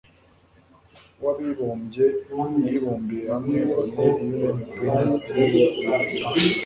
w abibumbye yibumbiye hamwe ONE UN PNUD na